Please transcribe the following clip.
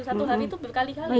satu hari itu berkali kali